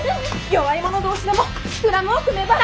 弱い者同士でもスクラムを組めば。